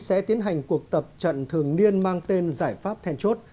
sẽ tiến hành cuộc tập trận thường niên mang tên giải pháp then chốt